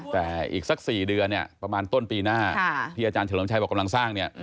แต่อีกสัก๔เดือนเนี่ยประมาณต้นปีหน้าที่อาจารย์เฉลิมชัยบอกกำลังสร้างเนี่ย